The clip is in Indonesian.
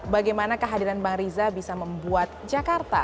bagaimana kehadiran bang riza bisa membuat jakarta